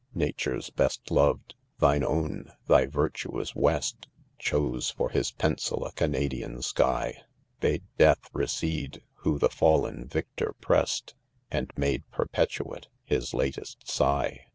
lfatare 5 s best loved, thine own, thy virtuous West,, Chose for his pencil a Canadian sky ; Bade Death recede, who the fallen victor prest, And made : perpetuate, Ms latest sigh.